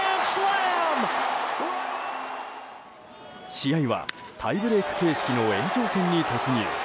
試合はタイブレーク形式の延長戦に突入。